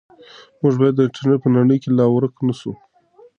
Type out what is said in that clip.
موږ باید د انټرنیټ په نړۍ کې لار ورک نه سو.